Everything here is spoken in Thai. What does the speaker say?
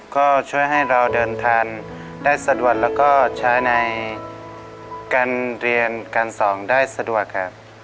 ก็ช่วยให้เราเดินทางได้สะดวกแล้วก็ใช้ในการเรียนการสอนได้สะดวกครับ